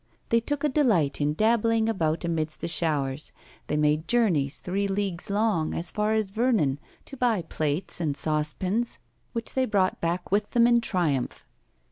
They took a delight in dabbling about amidst the showers; they made journeys three leagues long, as far as Vernon, to buy plates and saucepans, which they brought back with them in triumph.